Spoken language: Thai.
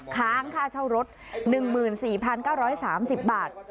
ค้างค่าเช่ารถหนึ่งหมื่นสี่พันเก้าร้อยสามสิบบาท